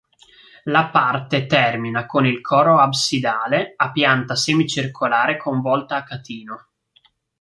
La parte termina con il coro absidale a pianta semicircolare con volta a catino.